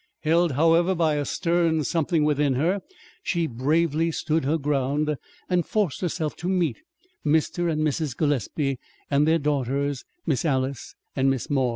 Held, however, by a stern something within her, she bravely stood her ground and forced herself to meet Mr. and Mrs. Gillespie and their daughters, Miss Alice and Miss Maud.